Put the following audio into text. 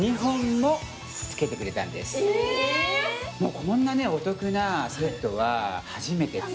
こんなお得なセットは初めてです。